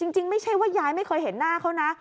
จริงไม่ใช่ว่ายายไม่เคยเห็นหน้าเขานะ